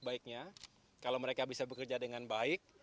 baiknya kalau mereka bisa bekerja dengan baik